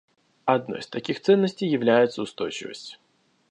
Одной из таких ценностей является устойчивость.